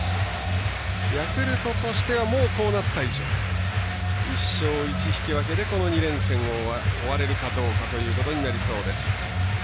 ヤクルトとしてはもうこうなった以上１勝１引き分けでこの２連戦を終われるかどうかということになりそうです。